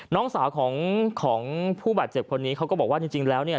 น้องสาวของผู้บาดเจ็บคนนี้เขาก็บอกว่าจริงแล้วเนี่ย